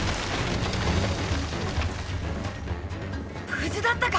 ⁉無事だったか！